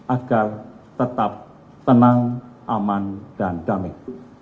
agar tetap tenang aman dan damai